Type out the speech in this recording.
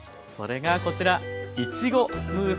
それがこちら。